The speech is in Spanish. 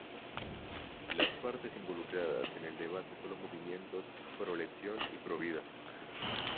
Las partes involucradas en el debate son los movimientos "pro-elección" y "pro-vida".